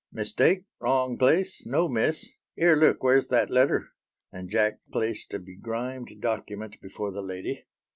"Mistake, wrong place? No miss. 'Ere, look where's that letter?" And Jack placed a begrimed document before the lady.